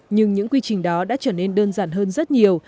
nhưng những quy trình đó đã trở nên đơn giản hơn rất nhiều